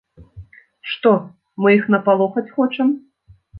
Што, мы іх напалохаць хочам?